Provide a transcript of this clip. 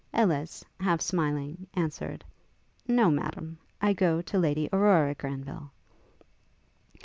Ellis, half smiling, answered, 'No, Madam; I go to Lady Aurora Granville.'